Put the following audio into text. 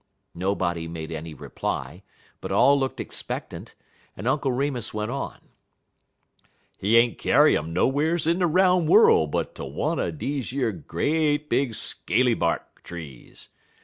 Nobody made any reply, but all looked expectant, and Uncle Remus went on: "He ain't kyar 'im nowhars in de roun' worl' but ter one er deze yer great big scaly bark trees.